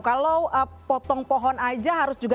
kalau potong pohon aja harus juga